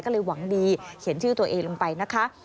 ก็เลยหวังดีเขียนชื่อตัวเองลงไปนะคะ